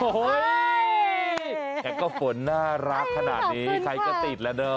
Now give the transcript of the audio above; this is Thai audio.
แต่ก็ฝนน่ารักขนาดนี้ใครก็ติดแล้วเด้อ